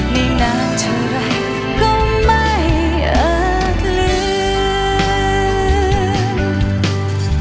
ในนานเท่าไรก็ไม่อาจลืม